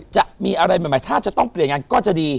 จะมีอะไรใหม่ถ้าจะต้องเปลี่ยนงานก็จะดี